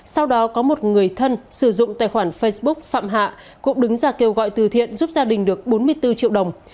sau đó có một người thân sử dụng tài khoản facebook phạm hạ cũng đứng ra kêu gọi từ thiện giúp gia đình được bốn mươi bốn triệu đồng